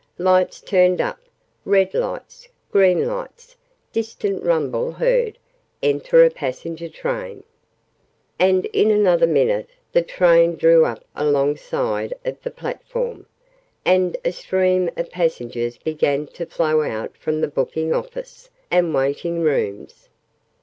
"Lights turned up. Red lights. Green lights. Distant rumble heard. Enter a passenger train!" And in another minute the train drew up alongside of the platform, and a stream of passengers began to flow out from the booking office and waiting rooms.